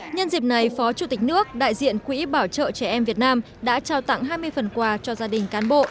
nhân dịp này phó chủ tịch nước đại diện quỹ bảo trợ trẻ em việt nam đã trao tặng hai mươi phần quà cho gia đình cán bộ